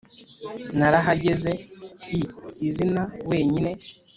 narahageze i zina-wenyine